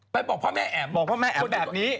ไปบอกพ่อแม่แอ๋มบอกพ่อแม่แอ๋มแบบนี้